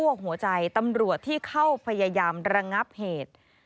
หัวใจตำรวจที่เข้าพยายามระงับเหตุ